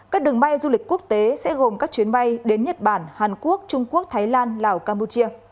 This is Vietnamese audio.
các đường bay du lịch quốc tế sẽ gồm các chuyến bay đến nhật bản hàn quốc trung quốc thái lan lào campuchia